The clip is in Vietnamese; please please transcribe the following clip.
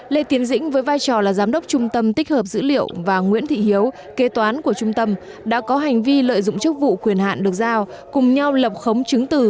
lê tiến dĩnh với vai trò là giám đốc trung tâm tích hợp dữ liệu và nguyễn thị hiếu kế toán của trung tâm đã có hành vi lợi dụng chức vụ quyền hạn được giao cùng nhau lập khống chứng từ